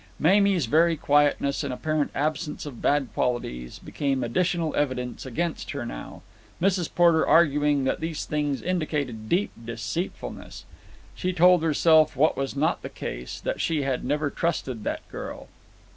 Mamie's very quietness and apparent absence of bad qualities became additional evidence against her now, Mrs. Porter arguing that these things indicated deep deceitfulness. She told herself, what was not the case, that she had never trusted that girl.